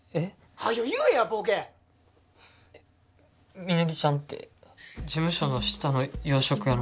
早よ言えやボケみのりちゃんって事務所の下の洋食屋の？